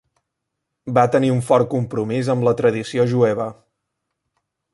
Va tenir un fort compromís amb la tradició jueva.